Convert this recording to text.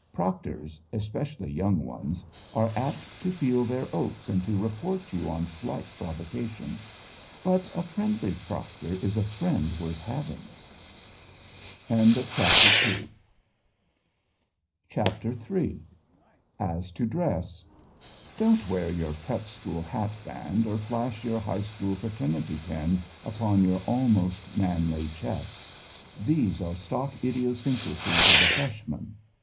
Proctors especially young ones are apt to feel their oats and to report you on slight provocation. But a friendly Proctor is a friend worth having. AS TO DRESS [Sidenote: VARSITY AND PREP SCHOOL FASHIONS] DON'T wear your Prep school hat band, or flash your High school Fraternity pin upon your almost manly chest. These are stock idiosyncrasies of the Freshman.